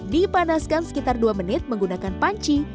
dipanaskan sekitar dua menit menggunakan panci